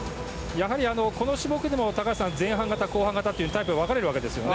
やはりこの種目でも高橋さん、前半型、後半型とタイプが分かれるわけですよね。